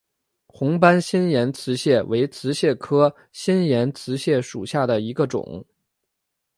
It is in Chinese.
红斑新岩瓷蟹为瓷蟹科新岩瓷蟹属下的一个种。